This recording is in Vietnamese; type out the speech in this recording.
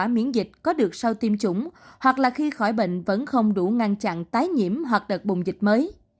miễn dịch có được sau tiêm chủng hoặc là khi khỏi bệnh vẫn không đủ ngăn chặn tái nhiễm hoặc đợt bùng dịch mới